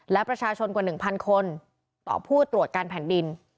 และประชาชนกว่า๑๐๐คนต่อผู้ตรวจการแผ่นดิน